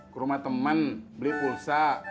ke rumah teman beli pulsa